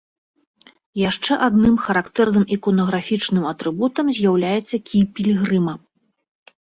Яшчэ адным характэрным іконаграфічным атрыбутам з'яўляецца кій пілігрыма.